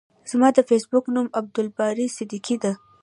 زما د فیسبوک نوم عبدالباری صدیقی ده.